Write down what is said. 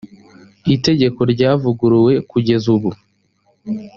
itegeko ryavuguruwe kugeza ubu .